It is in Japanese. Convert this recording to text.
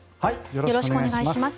よろしくお願いします。